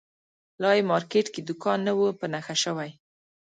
لا یې مارکېټ کې دوکان نه وو په نښه شوی.